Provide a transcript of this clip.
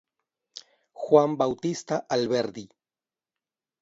Juan Bautista Alberdi.